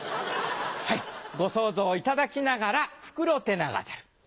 はいご想像いただきながらフクロテナガザル。